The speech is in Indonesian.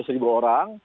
seratus ribu orang